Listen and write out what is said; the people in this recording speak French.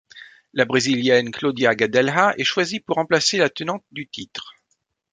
La Brésilienne Cláudia Gadelha est choisie pour remplacer la tenante du titre.